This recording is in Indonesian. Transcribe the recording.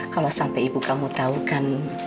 kalau sampai ibu kamu tahu kan